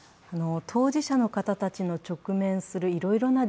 当事者の方たちの直面するいろろいな